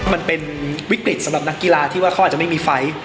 มันเป็นวิกฤตสำหรับนักกีฬาที่ว่าเขาอาจจะไม่มีไฟล์